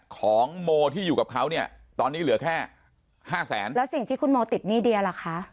ของโมที่อยู่กับเขาเนี่ยตอนนี้เหลือแค่ห้าแสนแล้วสิ่งที่คุณโมติดหนี้เดียล่ะคะ